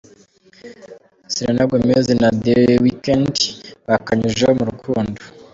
Selena Gomez na The Weekend bakanyujijeho mu rukundo.